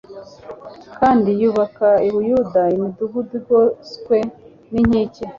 Kandi yubaka i Buyuda imidugudu igoswe ninkike